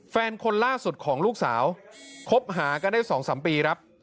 แฟนคนล่าสุดของลูกสาวคบหากันได้๒๓ปีครับ